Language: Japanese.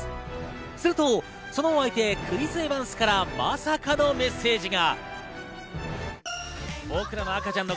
すると、そのお相手クリス・エヴァンスからまさかのメッセージが。